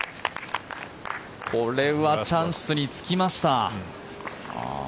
これはチャンスにつきました。